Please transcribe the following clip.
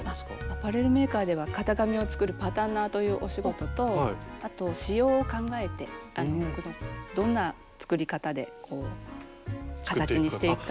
アパレルメーカーでは型紙を作るパタンナーというお仕事とあと仕様を考えて服のどんな作り方で形にしていくかということを。